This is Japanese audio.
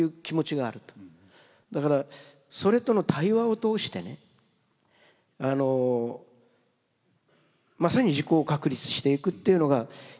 だからそれとの対話を通してねまさに自己を確立していくっていうのが非常に重要なことだと思います。